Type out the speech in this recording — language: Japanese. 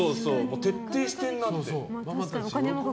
徹底してんなって。